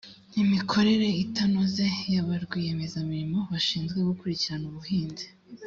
imikorere itanoze ya ba rwiyemezamirimo bashinzwe gukurikirana ubuhinzi